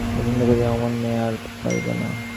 তা শেনো, আমি হেমনলিনীকেই পছন্দ করিয়াছি–অমন মেয়ে আর পাইব না।